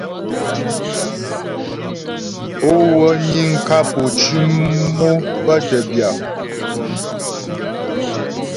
Ó wə́ niŋ kap ô cʉm o pə́ tə́ bya.